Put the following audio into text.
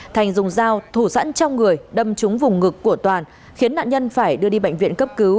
thành dùng dao thủ sẵn trong người đâm trúng vùng ngực của toàn khiến nạn nhân phải đưa đi bệnh viện cấp cứu